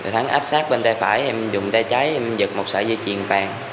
thắng áp sát bên tay phải em dùng tay trái em giật một sợi dây chuyền vàng